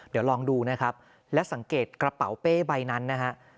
เดี๋ยวลองดูนะครับและสังเกตกระเป๋าเป้ใบนั้นนะฮะ